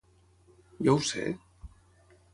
Jo ho sé?